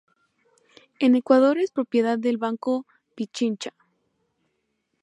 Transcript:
En Ecuador es propiedad del Banco Pichincha.